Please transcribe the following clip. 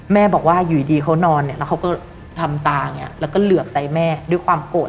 แม่บอกว่าอยู่ดีเขานอนเนี่ยแล้วเขาก็ทำตาอย่างนี้แล้วก็เหลือบใส่แม่ด้วยความโกรธ